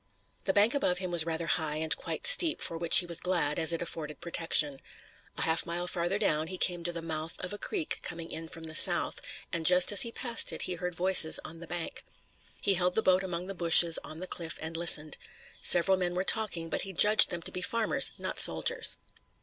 The bank above him was rather high and quite steep, for which he was glad, as it afforded protection. A half mile farther down he came to the mouth of a creek coming in from the South, and just as he passed it he heard voices on the bank. He held his boat among the bushes on the cliff and listened. Several men were talking, but he judged them to be farmers, not soldiers.